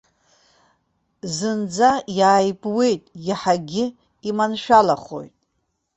Зынӡа иааибуеит, иаҳагьы иманшәалахоит.